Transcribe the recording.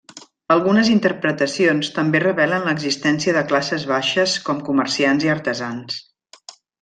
Algunes interpretacions també revelen l'existència de classes baixes com comerciants i artesans.